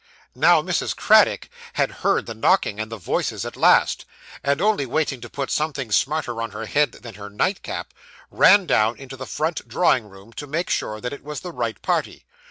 Now, Mrs. Craddock had heard the knocking and the voices at last; and, only waiting to put something smarter on her head than her nightcap, ran down into the front drawing room to make sure that it was the right party.